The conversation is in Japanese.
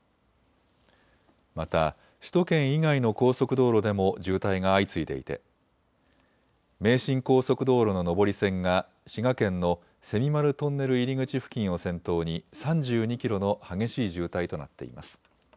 また首都圏以外の高速道路でも渋滞が相次いでいて名神高速道路の上り線が滋賀県の蝉丸トンネル入り口付近を先頭に３２キロの激しい渋滞となっています。